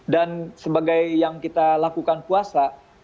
dan sebagai yang kita lakukan puasa